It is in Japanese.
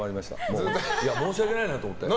申し訳ないなと思って。